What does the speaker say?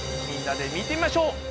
みんなで見てみましょう。